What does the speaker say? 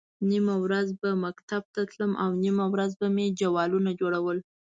نیمه ورځ به مکتب ته تلم او نیمه ورځ به مې جوالونه وړل.